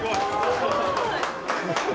すごい！